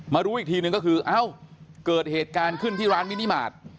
รู้อีกทีนึงก็คือเอ้าเกิดเหตุการณ์ขึ้นที่ร้านมินิมาตร